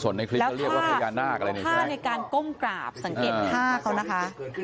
แล้วภาพในการก้มกราบสังเกตภาพเขานะคะ